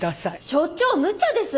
所長むちゃです！